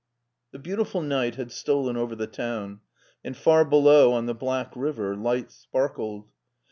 The beautiful night had stolen over the town, and far below on the black river lights sparkled.